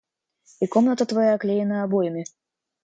И комната твоя оклеена обоями.